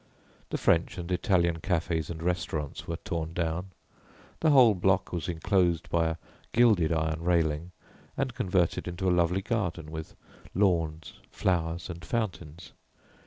The French and Italian cafés and restaurants were torn down; the whole block was enclosed by a gilded iron railing, and converted into a lovely garden with lawns, flowers and fountains.